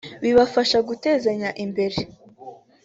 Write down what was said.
bibafashe gutezanya imbere